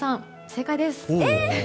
正解です！